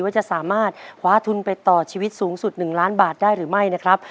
ว่าจะสามารถคว้าทุนไปต่อชีวิตสูงสุด๑ล้านบาทได้หรือไม่นะครับ